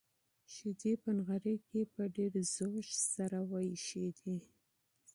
شيدې په نغري کې په ډېر زوږ سره وایشېدې.